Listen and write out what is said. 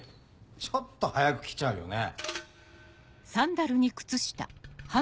ちょっと早く来ちゃうよね。